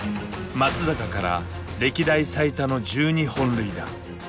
松坂から歴代最多の１２本塁打。